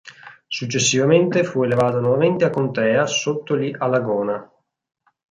Successivamente fu elevata nuovamente a contea sotto gli Alagona.